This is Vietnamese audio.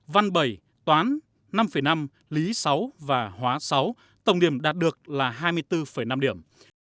văn bảy toán năm năm lý sáu và hóa sáu tổng điểm đạt được là hai mươi bốn năm điểm